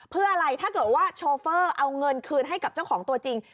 เพื่ออะไรถ้าเกิดว่าโชเฟอร์เอาเงินคืนให้กับเจ้าของตัวจริง